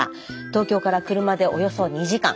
東京から車でおよそ２時間。